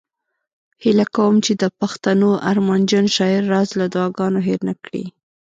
هیله کوم چې د پښتنو ارمانجن شاعر راز له دعاګانو هیر نه کړي